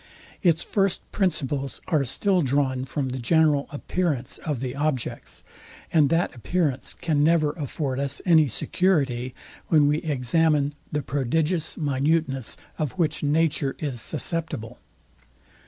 It's first principles are still drawn from the general appearance of the objects; and that appearance can never afford us any security, when we examine, the prodigious minuteness of which nature is susceptible.